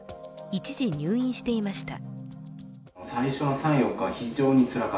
一時入院していました。